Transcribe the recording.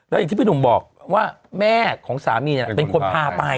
แล้วอย่างที่พี่หนุ่มบอกว่าแม่ของสามีเป็นคนพาไป